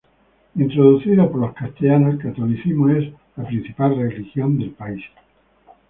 Introducido por los castellanos, el catolicismo es la principal religión del país.